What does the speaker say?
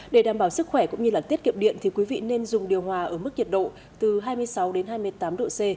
để đảm bảo sức khỏe cũng như tiết kiệm điện thì quý vị nên dùng điều hòa ở mức nhiệt độ từ hai mươi sáu đến hai mươi tám độ c